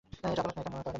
এটা আদালত নয়।